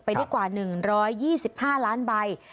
ได้กว่า๑๒๕ล้านใบ